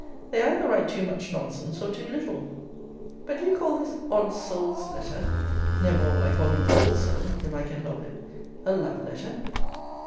They either write too much nonsense, or too little. But do you call this odd soul's letter [no more will I call him old soul, if I can help it] a love letter?